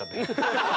ハハハハ！